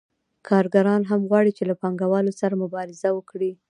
کارګران هم غواړي چې له پانګوالو سره مبارزه وکړي